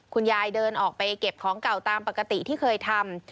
คุณยายเดินออกไปเก็บของเก่าตามปกติที่เคยทำ